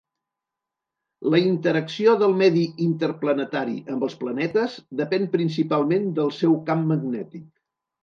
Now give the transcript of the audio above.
La interacció del medi interplanetari amb els planetes depèn principalment del seu camp magnètic.